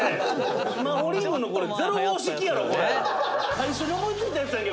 「最初に思いついたやつやんけ